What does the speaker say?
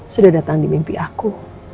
sudah datang di mimpi aku